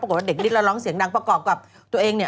ปรากฏว่าเด็กนิดละร้องเสียงดังประกอบกับตัวเอง